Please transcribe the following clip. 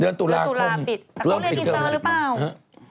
เดือนตุลาคมเริ่มปิดเทอมหรือเปล่าเดือนตุลาคมเริ่มปิดเทอม